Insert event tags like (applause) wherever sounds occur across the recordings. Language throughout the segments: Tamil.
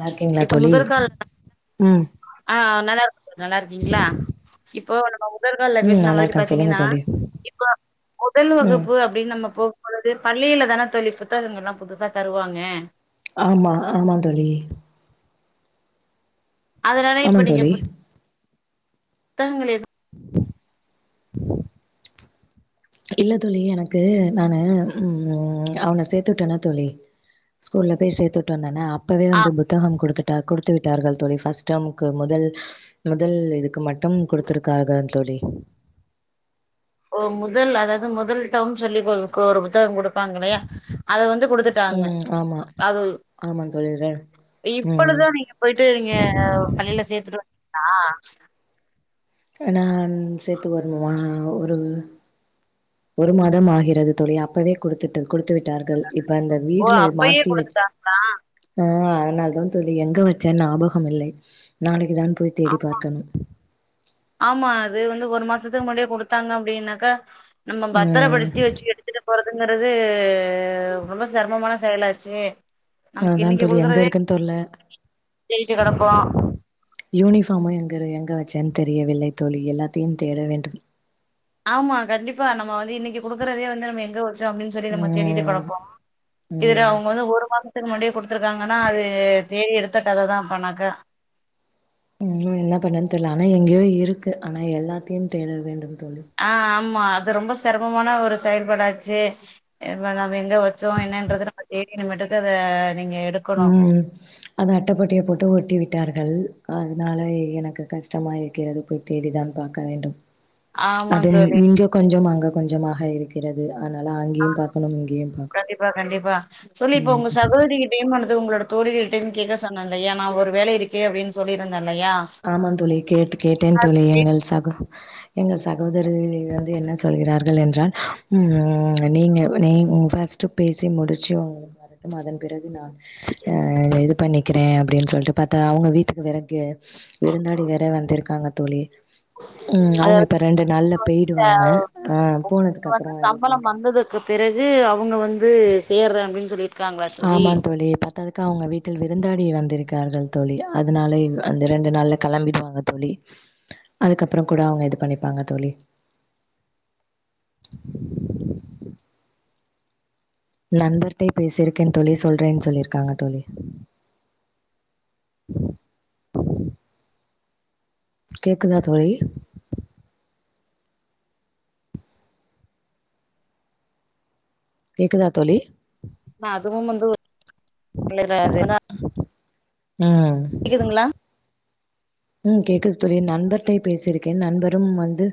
நல்லா இருக்கீங்களா இப்ப தோழி முதல்கால் ம் ஆ நல்லாருக்கோ நல்லார்க்கீங்ளா ஓ நம்ம உ முதல் கால்ல ம் பேசுன நல்லா மாரி இருக்கே சொல்லுங்க பாத்தீங்கன்னா தோழி இபப முதல் ம் வகுப்பு அப்டின்னு நம்ம போகும்பொது பள்ளில தான தோழி இப்பத்தா இவுங்க எல்லா புதுசா தருவாங்க ஆமா ஆமா தோழி அதனால ஆமா இப்ப நீங்க தோழி பு தங்களே இல்ல தோழி எனக்கு நானு ம் அவங்கள சேத்துட்டேனே தோழி ஸ்கூல்ல போய் சேத்துவுட்டு வந்தேல்ல அப் ப்பவே ஆ வந்து புத்தகம் கொடுத்து த குடுத்து விட்டார்கள் தோழி ஃபஸ்ட் டைமுக்கு முதல் முதல் இதுக்கு மட்டும் குடுத்துருக்காங்க தோழி ஓ முதல் அதாவது முதல் டைம் சொல்லிப்பாறு (unintelligible) ஒரு புத்தகம் குடு ப்பாங்கல்லியா அத வந்து குடுத்துட்டாங்க ம் ஆமா அது ஆமா தோழி ரெ இப்ப ம் தான் நீங்க போயிட்டு நீங்க பள்ளியில சேத்துட்டு வந்து ஆ நான் சேத்து வருவமோ ஒரு ஒரு மாதம் ஆகிறது தோழி அப்பவே கொடுத்துட்டு கொடுத்து விட்டு ட்டார்கள் இப்ப அந்த ஓ வீடுல அப்பயே மாத்தி வச்சு குடுத்துட்டாங்க ஆ இல்ல அதான் தோழி எங்க வச்சேன்னு ஞாபகம் இல்லை நாளைக்கு தான் போய் ஆ தேடி பார்க்கனு ஆமா அது வந்து ஒரு மாசத்துக்கு முன்னாடியே குடுத்தாங்க அப்டின்னாக்க நம்ப ம் பத்திரப்படுத்தி வச்சு எடுத்துட்டு போற அதுங்கிறது ரொம்ப சிரமமான செயலாச்சு அதுதா தோழி எங்க இருக்குன்னு தொர்ல தேடிட்டு கெடப்போ யூனிபார்மு எங்க இரு எங்க வச்ச தெரியவில்லை தோழி எல்லாத்தயு தேட வேண்டு ஆமா கண்டிப்பா நம்ம வந்து இன்னிக்கு குடுக்குறதே வந்து நம்ம எங்க வரு அப்டின்னு சொல்லி நம்ம தேடிட்டு ம் கடப்போ இதுல ம். அவுங்க வந்து ஒரு மாத முன்னாடியே குடுத்துருக்காங்கனா அது தேடி எடுத்த ‌கத தா அப்பணாக்க இன்னு என்ன பண்னு தெர்ல ஆனா எங்யோ இருக்கு ஆனா எல்லாத்தயு தேட வேண்டு அ ஆம் அது ரொம்போ செரமமான ஒரு செயல்படாச்சே இம்ம நம்ம எங்க வச்சோ என்னன்றது நம்ம தேடி நம்மட்டேந்து அத நீங்க எடுக்கணு ம் அத அட்டப்பொட்டிய போட்டு ஒட்டி விட்டார்கள் அதுனால எனக்கு கஷ்டமா இருக்கிறது போய் தேடி தான் பாக்க வேண்டு ஆமாங் அதும் தோழி இங்க கொஞ்ச அங்க கொஞ்சமாக இருக்கிறது அதனால அங்கயு பாக்கணும் இங்கேயும் பாக்கனும் கண்டிப்பா கண்டிப்பா ம் து உங்களோட தோழிகள்டையு கேக்க சொன்ன இல்லையா ஒரு வேலை இருக்கே அப்டின்னு சொல்லிருந்து ஆமாம் தோழி கேட்டு கேட்டே அது தோழி கேக்குது. எங்கள் சாகோ எங்க சகோதரர் வந்து என்ன சொல்கிறார்கள் என்றால் உம் நீங்க நீ ஃபஸ்ட் பேசி முடிச்சு உங்களுக்கு வரட்டும் அதன் பிறகு நா ஆ இது பண்ணி வக்கிறே அ‍ப்டின்னு சொல்லிட்டு பாத்தா அவுங்க வீட்டுக்கு வேற கெ விருந்தாடி வேற வந்திருக்காங்க தோழி உம் அவுங்க அதற்கு இப்ப ரெண்டு நாள்ல போயிடுவாங்க ஆ போனதுக்கு வந்து அப்றோ இது பண்ணிக்கிறே து சேர்ற அப்டின்னு சொல்லிட்டு ஆமாம் தோழி பத்தாததுக்கு அவுங்க வீட்டில் விருந்தாடி வந்திருக்க இருக்கார்கள் தோழி அதனால அந்த ரெண்டு நாள்ல களம்பிடுவாங்க தோழி அதுக்கப்புறம் கூட அவுங்க இது பண்ணிப்பாங்க தோழி நண்பர்டயு பேசியிருக்கே தோழி சொல்றேன்னு சொல்லியிருக்காங்க தோழி கேக்குதா தோழி கேக்குதா தோழி அ அதுவும் வந்து ஒரு (unintelligible) ம் கேக்குதுங்களா உம் கேக்குது தோழி நண்பர்ட்ட பேசிருக்கே நண்பரும் வந்து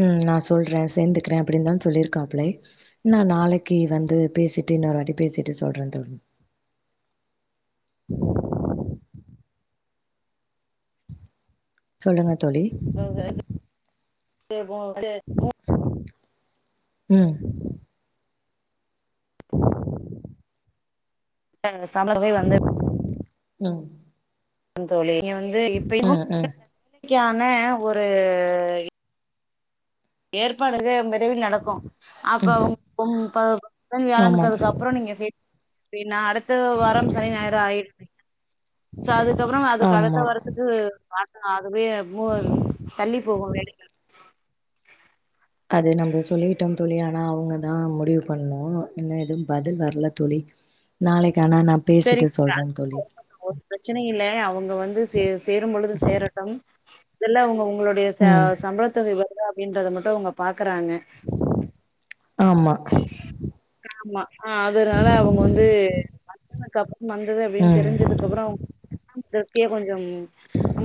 உம் நா சொல்றே சேந்துக்கிறே அப்படின்தா சொல்லிருக்காப்லே நா நாளக்கு வந்து பேசிட்டு இன்னொரு வாட்டி பேசிட்டு சொல்றே தோழி சொல்லுங்க தோழி (unintelligible) அது மு உம் ஆ சம்மர் போய் வந்து ம் தோழி நீ வந்து இப்பயு ம் ம் (inaudible) க்யான ஒரு ஏற்பாடுக மெட் விரைவில் நடக்கும் அப்ப ம் உம் ப புதன் ஆமாம் வியாழனுக்கப்பறம் நீங்க சேக்க ப்டீனா அடுத் அடுத்த வாரம் சனி ஞாயிறு ஆயிடும் சோ அதுக்கப்புறம் அதுக்கு அடுத்த ஆமா வாரத்துக்கு பா அது போய் மு தள்ளி போகும் வேலைகள் அது நம்ம சொல்லிட்டோம் தோழி ஆனா அவங்க தா முடிவு பண்ணும் இன்னும் எதுவும் பதில் வரல தோழி நாளைக்கு ஆனா நா சரி பேசிட்டு சொல்றே அது தோழி ஒன்னு ஒரு பிரச்சன இல்ல அவங்க வந்து சே சேரும் பொழுது சேரட்டும் இதெல்லா அவுங்கவுங் உங்களுடைய ம் சம்பள தொகை வருதா ஈன்றத மட்டு அவுங்க பாத் குறாங்க ஆமா ஆமா அதுனால அவுங்க வந்து (unintelligible) வந்தது அப்டின் ம் தெரிஞ்சதுக்கப்றோ கே கொஞ்சம்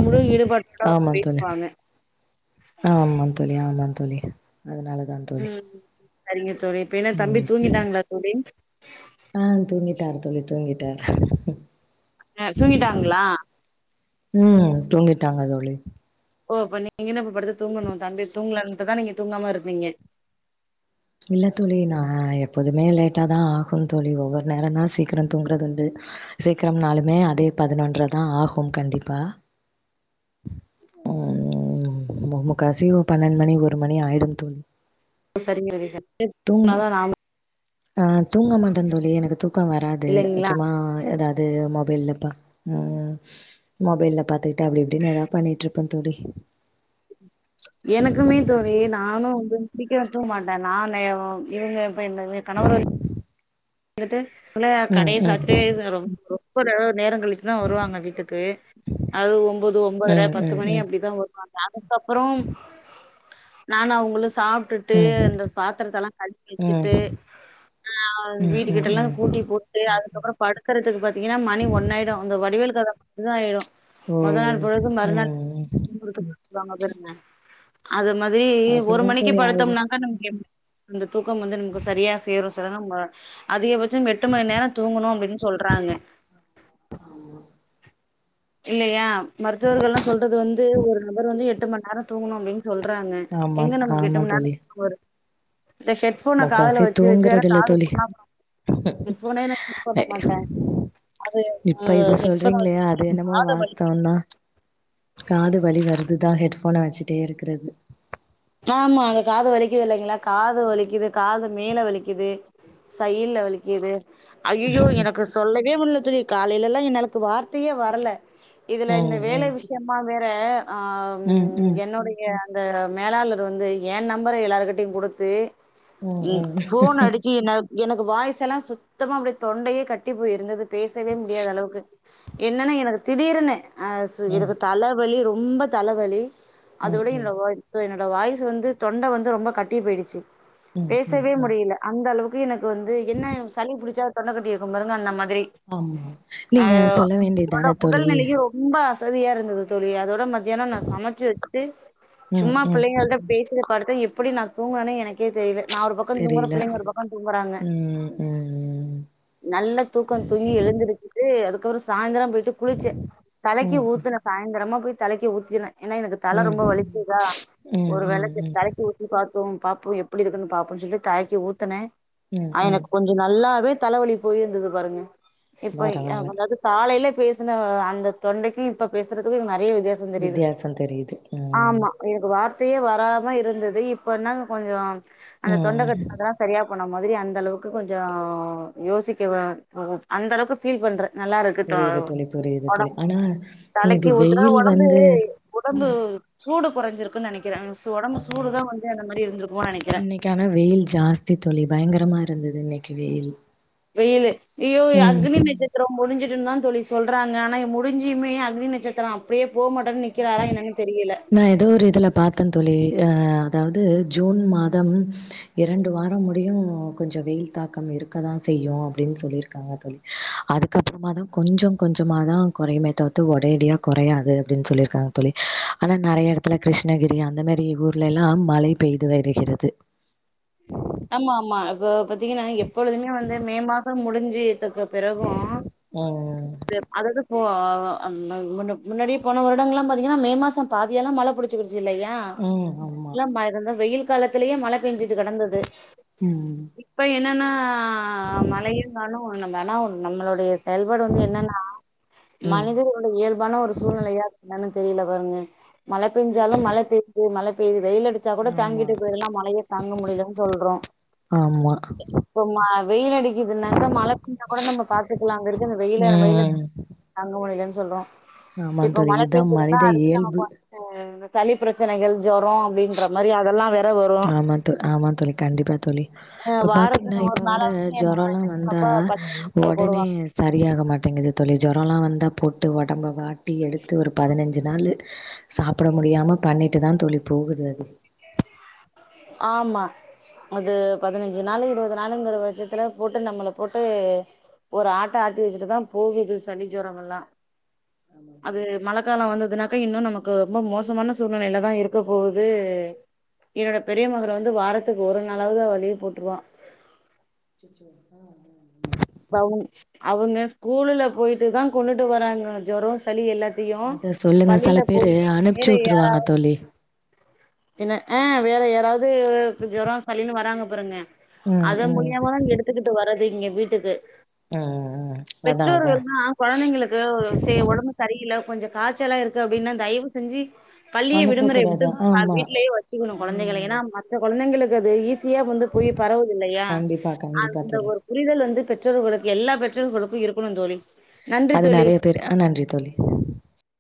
முழு ஈடுபாட்டோட அவங்க ஆமா தோழி பேசுவாங்க ஆமா ந்தோழி ஆமாந் தோழி அதனால தான் தோழி ம் சரிங்க தோழி இப்ப என்ன தம்பி ம் தூங்கிட்டாங்களா தோழி ஆ தூங்கிட்டாரு தோழி தூங்கிட்டார் அ தூங்கிட்டாங்களா ம் தூங்கிட்டாங்க தோழி ஓ அப்ப நீங்க இன்னும் இப்ப படுத்து தூங்கணு தம்பி தூங்கலன்ட்டுதான் நீங்க தூங்காம இருக்கீங்க இல்ல தோழி நா எப்போதுமே லேட்டாதா ஆகும் தோழி ஒவ்வொரு நேரந் தா சீக்கிர தூங்குறதுண்டு சீக்கிரம்னாலுமே அதே பதினொன்றதா ஆகும் கண்டிப்பா உம் முக்காசி பன்னெண்டு மணி ஒரு மணி ஆயிடு தோழி சரிங்க தோழி (inaudible) தான் நானும் நா தூங்க மாட்டேந் தோழி எனக்கு தூக்கம் வராது இல்லைங்களா சும்மா ஏதாது து மொபைல்ல பா ம் மொபைல்ல பாத்துகிட் அப்டி இப்டினு எதாது பண்ணிட்டு இருப்பாங் தோழி எனக்குமே தோழி நானு வந்து சீக்கிர தூங்க மாட்டே நானு இவிங்க இப்ப எங்க எ கணவரு எடுத்து இல்ல ம் கடைய ம். சாத்துட்டி ரொம் ரொம் (unintelligible) நேரங்கழிச்சி தா வருவாங்க வீட்டுக்கு அது ஒம்போது ஒம்பதர ம் பத்து ம் மணி ம். அப்டிதா வருவாங்க அதுக்கப்புறோ நானு அவுங்களு சாப்ட்டுட்டு ம். இந்த பாத்திரத் தெல்லா கழுவி ம். வச்சுட்டு ஆ ம் வீட் ம் எல்லா ம். கூட்டி போட்டு அதுக்கப்புறோ படுக்கறதுக்கு பாத்தி திங்ன்னா மணி ஒன்னாயிடு அந்த வடிவேல் கத இதாயிரு ஓ! மொத நாள் பொழுது ம் மறுநாள் ம். (unintelligible) வாங்க பேருந்தே அதும் மாதிரி ஒரு அப்டிதா மணிக்கு தோழி ஆவுது படுத்தோம்னாக்க நமக்கு எப் அந்த தூக்கம் வந்து நமக்கு சரியா சேரு செல நாள் அ அதிகபட்ச் சம் எட்டு மணி நேரோ தூங்கணு அப்டின்னு சொல்றாங்க இல்லையா மருத்துவர்கள்லா சொல்றது வந்து ஒரு நபர் வந்து எட்டு மண் நேர தூங்கனு அப்டின் சொல்றாங்க ஆமா எங்க நமக்கு எட்டு ஆமா மணிநேரோ தோழி தூக்கம் வருது இந்த ஹெட்ஃபோன காதுல வச்சு வச்சு வேற காது புன்னா போயிடு போல அ அது அ இப்ப இத ஹெட்ஃபோன சொல்றீங்களையா வச்சு அது என்னமோ காத வலி வாஸ்தவ தா காது வலி வருதுதா ஹெட் ஃபோனை வச்சிட்டே இருக்கறது ஆமா அந்த காது வலிக்குது இல்லைங்களா காது வலிக்குது காது மேல வலிக்குது சயிட்ல வலிக்குது ஐயயோ எனக்கு சொல்ல வே முடில தோழி காலைல எல்லா என்னாலக்கு வார்த்தையே வரல இதுல இந்த ம் வேல ம் விஷயமா வேர இப்ப ஆ ம் என்னுடைய இந்த மேலாளர் வந்து ஏன் நம்பர எல்லாருகிட்டுயு குடுத்து ம் போன் அடிக்கி என்னால் எனக்கு வாய்ஸ் எல்லா சுத்தமா அப்டி தொண்டயே கட்டி போய் இருந்தது பேசவே முடியாதளவுக்கு என்னென்னா எனக்கு திடீருனு அ சு ம் இரவு தலவலி ரொ ரொம்ப தலவலி அது ம் விட ம் என்ன வாய்ப்பு எனக் இந்த வாய்சு வந்து தொண்ட வந்து ரொம்ப கட்டி போய்டுச்சு ம் ம் ம் பேசவே ம் முடியில அந்த அளவுக் கு எனக்கு வந்து என்ன சளி புடிச்சா தொண்ட கட்டி இருக்கும் பாருங்க அந்த மன் ஆமா நீங்க சொல்ல வேண்டியது தானே தோழி சரியா இருந்தது தோழி அதோட மத் ஏனா நா சமச்சு வச்சுட்டு ம் சும்மா ம் யால்தா பேசியே படுத்தே எப்புடி நான் தூங்கனேன்னே எனக்கே தெரில நா ஒரு பக்கோ தூங்குற தெரில பிள்ளைங்க ஒரு பக்கோ தூங்குறாங்க ம் ம் நல்ல தூக்கோ தூங்கி எழுந்திருச்சு அதுக் ஒரு சாய்ந்திரம் போயிட்டு குளிச்ச ம் தலைக்கி ம் ஊத்துன சாய்ந்திரமா போய் தலைக்கி ஊத்தின ஏன்னா எனக்கு தல ம் ம் ரொம்ப வலிச்சுதா ம் ஒரு வெளக்கு ம் ம் தலைக்கு ஊத்தி பாத் ப்போம் பாப்போ எப்புடி இருக்குன்னு பாப்போம் சொல்லி தலைக்கி ஊத்துன ம் ஐ ம் எனக் கொஞ்சு நல்லாவே தலவலி போய் இருந்தது பாருங்க இப்பய் அ பரவால்ல அதாவ்து காலைல்லே பேசுன அந்த தொண்டைக்கு இப்ப பேசுறது ந நறைய வித்தியாச தெரியுது வித்தியாசம் தெரியுது. ம். ஆமா எனக்கு வார் பே வராம இருந்தது இப்ப என்னான்னு கொஞ்ச அந்த தொண்ட ம். கட்னதுலா சரியா போன மாதிரி அந்த அளவுக்கு கொஞ்சோ யோசிக்கிவ ஒ அந்த அளவுக்கு ஃபீல் பண்ற நல்லா இருக்கு தொ புரியுது தோழி, புரியுது தோழி. ஒடம்பு ஆனா தலைக்கி இன்னைக்கு ஊத்துற வெயில் ஒடம்பு வந்து உடம்பு சூடு கொறஞ்சிருக்குனு நெனைக் கிறாங்க ஆமா, நெனைக்கிறே இன்னைக்கி ஆனா வெயில் ஜாஸ்தி தோழி பயங்கரமா இருந்துது வெயில் இன்னைக் கி வெயில் வெயிலு ஐயோ ம். அக்னி நட்சத்திரோ முடிஞ்சு சிடுனுதா தோழி சொல்றாங்க ஆனா முடிஞ்சிமே அக்னி நட்சத்திரோ அப்டியே போ மாட்டனு நிக்கிறாரா என்னன்னு தெரிய நா ஏதோ ஒரு இதுல பாத்த தோழி அ அதாவது ஜூன் மாதம் இரண்டு வாரம் முடியு கொஞ்சோ வெயில் தாக்கம் இருக்கதா செய்யு அப்டின்னு சொல்லியிருக்காங்க தோழி, அதுக்கப்பறமாதா கொஞ்ச கொஞ்சமாதா குறையுமே தவிர்த்து ஒரேடியா கொறையாது அப்டின்னு சொல்லியிருக்காங்க தோழி ஆனா நறைய எடத்துல கிருஷ்ணகிரி அந்தமேரி ஊர்லைலா மழை பெய்து வருகிறது ஆமா ஆமா இப்ப பாத்தீங்கன்னா எப்பொழுதுமே வந்து மே மாசம் முடிஞ் சி த்துக்கு பிறகு ம். அது அதாது போ ஆவ அந் தந் கொஞ்சோ முன்னாடி போன வருடங்கள்லா பாத்தீங்கனா மே மாசோ பாதியெல்லா மழ புடிச்சிக்கிடுச்சி ஜூலையா ம் எல்லா (unintelligible) வெயில் காலத்திலயே மழ பேஞ்சுட் து கெடந்தது ம். இப்ப என்னானா ஆ மழையு காணூ ஒண் நம்ப ஆனா ஒன்னு நம்மளோடையே (unintelligible) வந்து என்னென்னா ம். மனிதர்களுடைய இயல்பான ஒரு சூழ்நிலையா (inaudible) தெரியல பாருங்க மழ பெஞ்சாலு மழ பெயுது மழ ய்து வெயில் அடிச்சா கூட ஆமா. தாங்கிட்டு போயிடல்லா மழைய தாங்க முடியலன்னு சொல்றோ ஆமா. இப்போ மா வெயில் அடிக்குதுனாக்கா மழ (inaudible) கூட நம்ம பாத்துக்கலா அங்க இருக்குற வெயில வெயில் ம். (unintelligible) (unintelligible) சொல்றோ ஆமா இப்ப தோழி. மழ இதுதான் பேஞ்ஜிருந்தா மனித அடுத்து இயல்பு. நம்ம (unintelligible) சளி பிரச்சனைகள் ஜொரோ அப்படின்ற மாரி அதெல்லா வேற வரு ஆமா தோ ஆமா தோழி கண்டிப்பா தோழி ஆ இப்ப பாத்தீங்கன்னா வாரத்துல இப்ப ஒரு வர நாளாவது என்னோட ஜொரொல்லா பெரிய வந்தா பாப்பா பத்தினி நாள் ஒடனே போடுவா சரியாக மாட்டேங்குது தோழி ஜொரொல்லா வந்தாப் போட்டு ஒடம்ப வாட்டி எடுத்து ஒரு பதினஞ்சு நாள் சாப்புட முடியாம பண்ணிட்டுதா தோழி போகுது அது ஆமா அது பதினஞ்சு நாள் இருவது நாளுங்குற பட்சத்துல போட்டு நம்மள போட்டு ஒரு ஆட்டு ஆட்டி வச்சுட்டுதா போகுது சளி ஜொரோமெல்லா அது மழக்காலோ வந்ததுனாக்கா இன்னு நமக்கு ரொம்ப மோசமான சூழ்நிலையிலதா இருக்க போகுது என்னோட பெரிய மகள் வந்து வாரத்துக்கு ஒரு நாளாவது அவ லீவ் போட்டுருவா ம் ம் ம் அவுங் அவுங்க ஸ்கூலுல போயிட்டுதா கொண்டுட்டு வராங்க ஜொர சளி எல்லா அத சொல்லுங்க செல பேரு அனுப்ச்சு விட்ருவாங்க தோழி என்ன ஆ வேற யாராவது ஜொரம் சளின்னு வராங்க பாருங்க ம், அத ம். மூலியமாதான் எடுத்துகிட்டு வரது இங்க வீட்டுக்கு ம், ம். அதான் அதான். பெற்றோர்கள்ல்னா கொழந்தைங்களுக்கு செ ஒடம்பு சரியில்ல கொஞ்ச காச்சலா இருக்கு அப்டின்னா தயவு செஞ்சு பள்ளியை விடுமுறை விட்டு அனுப்பக்கூடாது. அ ஆமா. வீட்லயே வச்சுக்கணு கொழந்தைகள ம். ஏனா மத்த கொழந்தைங்களுக் இந்த வெயில் வந்து போய் பரவுதில்லையா கண்டிப்பா, கண்டிப்பா அந்த தோழி. ஒரு புரிதல் வந்து (unintelligible) எல்லா பெற்றோர்களுக்கு இருக் கனுந் தோழி நன்றி அது தோழி நெறைய பேரு அ நன்றி தோழி